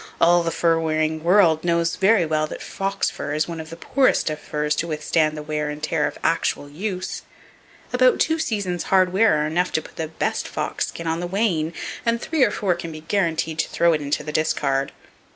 All the fur wearing world knows very well [Page 375] that fox fur is one of the poorest of furs to withstand the wear and tear of actual use. About two seasons' hard wear are enough to put the best fox skin on the wane, and three or four can be guaranteed to throw it into the discard.